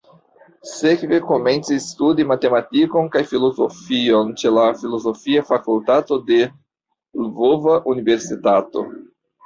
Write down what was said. Sekve komencis studi matematikon kaj filozofion ĉe la Filozofia Fakultato de Lvova Universitato.